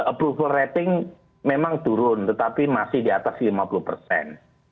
approval rating memang turun tetapi masih di atas lima puluh persen